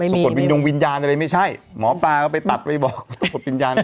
สกงวินโยงวิญญาณอะไรไม่ใช่หมอปาก็ไปตัดไว้บอกสกงวิญญาณ